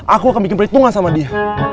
aku akan bikin perhitungan sama dia